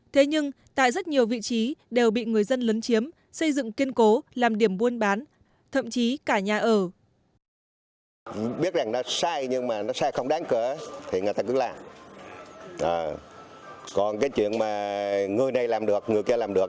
thế nhưng tại rất nhiều vị trí đều bị người dân lấn chiếm xây dựng kiên cố làm điểm buôn bán thậm chí cả nhà ở